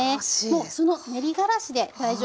もうその練りがらしで大丈夫です。